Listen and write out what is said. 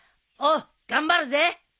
おう頑張るぜ。